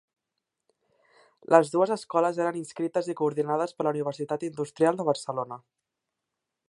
Les dues escoles eren inscrites i coordinades per la Universitat Industrial de Barcelona.